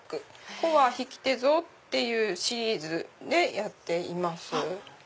「こはひきてぞ」っていうシリーズでやっています。